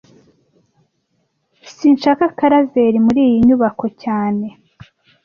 Sinshaka Karaveri muri iyi nyubako cyane